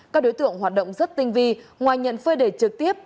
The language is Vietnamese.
các đối tượng hoạt động rất tinh vi ngoài nhận phơi đề trực tiếp